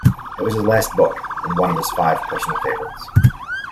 It was his last book, and one of his five personal favorites.